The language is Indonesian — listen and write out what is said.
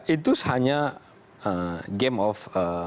itu hanya game of